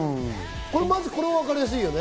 これはわかりやすいよね。